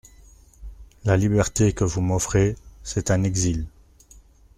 La liberté que vous m'offrez, c'est un exil.